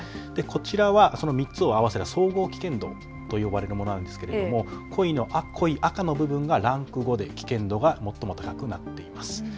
こちらはその３つを合わせた総合危険だと呼ばれるものなんですけれども濃い赤の部分がランク５で危険度が最も高くなっています。